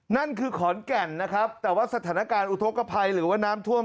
นั่นคือขอนแก่นนะครับแต่ว่าสถานการณ์อุทธกภัยหรือว่าน้ำท่วม